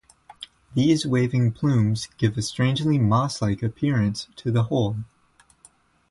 These waving plumes give a strangely moss-like appearance to the whole.